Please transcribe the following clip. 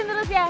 ikutin terus ya